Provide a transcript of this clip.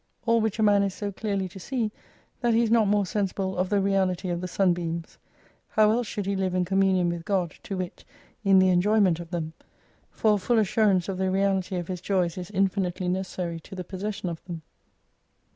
All which a man is so clearly to see, that he is not more sensible of the reality of the sunbeams. How else should he live in communion with God, to wit, in the enjoyment of them ? For a full assurance of the reality of his joys is infinitely necessary to the possession of them.